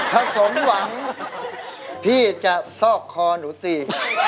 ถ้าสมหวังพี่จะซอกคอหนูตี